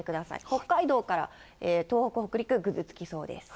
北海道から東北、北陸、ぐずつきそうです。